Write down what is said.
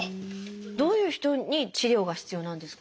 どういう人に治療が必要なんですか？